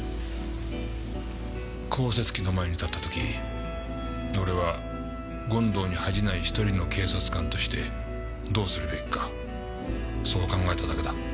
降雪機の前に立った時俺は権藤に恥じない１人の警察官としてどうするべきかそう考えただけだ。